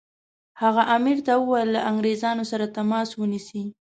هغه امیر ته وویل له انګریزانو سره تماس ونیسي.